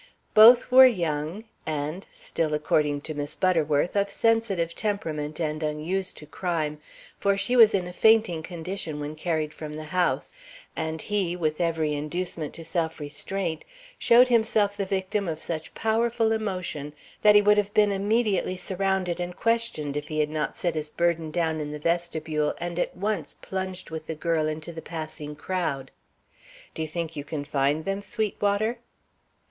Both were young, and (still according to Miss Butterworth) of sensitive temperament and unused to crime; for she was in a fainting condition when carried from the house, and he, with every inducement to self restraint, showed himself the victim of such powerful emotion that he would have been immediately surrounded and questioned if he had not set his burden down in the vestibule and at once plunged with the girl into the passing crowd. Do you think you can find them, Sweetwater?"